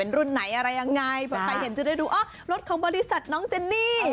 รุ่นไหนอะไรยังไงเผื่อใครเห็นจะได้ดูอ๋อรถของบริษัทน้องเจนนี่